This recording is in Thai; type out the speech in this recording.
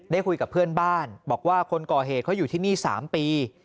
คุยกับเพื่อนบ้านบอกว่าคนก่อเหตุเขาอยู่ที่นี่๓ปี